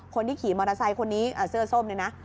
คนที่ขี่มอเตอร์ไซค์คนนี้เสื้อส้มเนี่ยนะ